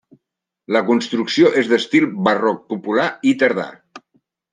La construcció és d'estil barroc popular i tardà.